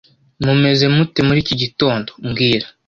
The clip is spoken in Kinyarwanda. Mumeze mute muri iki gitondo mbwira